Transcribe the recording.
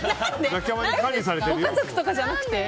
ご家族とかじゃなくて？